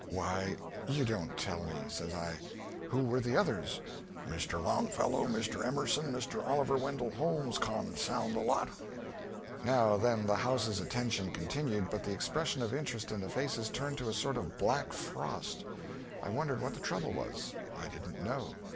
"Why, you don't tell me," said I. "Who were the others?" "Mr. Longfellow, Mr. Emerson, Mr. Oliver Wendell Holmes, consound the lot "' Now then the house's attention continued, but the expression of interest in the faces turned to a sort of black frost. I wondered what the trouble was. I didn't know.